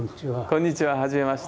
こんにちははじめまして。